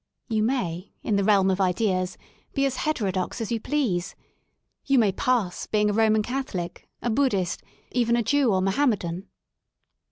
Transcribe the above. You may, in the realm of ideas, be as heterodox as you please; you may pass" being a Roman Catholic, a Buddhist, even a Jew or Mo hammedan.